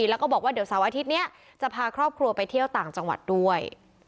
แล้วก็บอกว่าเดี๋ยวเสาร์อาทิตย์นี้จะพาครอบครัวไปเที่ยวต่างจังหวัดด้วย